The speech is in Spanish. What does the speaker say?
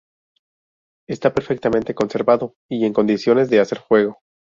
Está perfectamente conservado y en condiciones de hacer fuego.